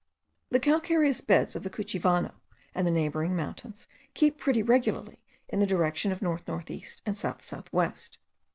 The calcareous beds of the Cuchivano and the neighbouring mountains keep pretty regularly the direction of north north east and south south west.